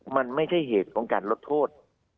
มันไม่ใช่เหตุของการลดโทษ